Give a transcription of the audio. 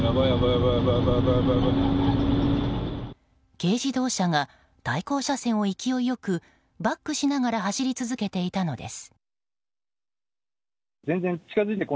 軽自動車が対向車線を勢いよくバックしながら走り続けていたのです。